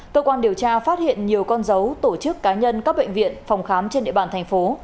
cơ quan điều tra phát hiện nhiều con dấu tổ chức cá nhân các bệnh viện phòng khám trên địa bàn thành phố